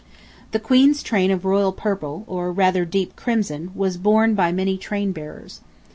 The Queen's train of royal purple, or rather deep crimson, was borne by many train bearers.